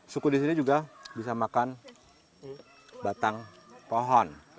suku di sini juga bisa makan batang pohon